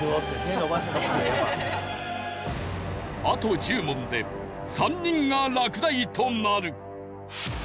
あと１０問で３人が落第となる。